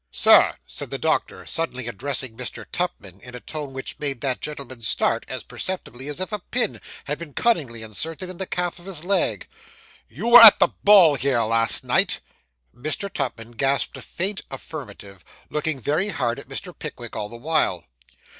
'Sir,' said the doctor, suddenly addressing Mr. Tupman, in a tone which made that gentleman start as perceptibly as if a pin had been cunningly inserted in the calf of his leg, 'you were at the ball here last night!' Mr. Tupman gasped a faint affirmative, looking very hard at Mr. Pickwick all the while.